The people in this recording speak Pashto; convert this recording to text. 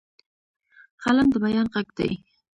قلم د بیان غږ دی